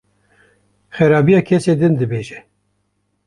Xerabiya kesên din dibêje.